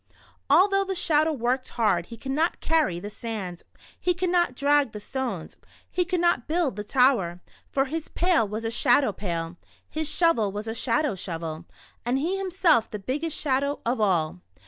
Although the Shadow worked hard, he could not carry the sand, he could not drag the stones, and he could not build the tower, for his pail was a shadow pail, his shovel a shadow shovel, and he himself the biggest shadow of all.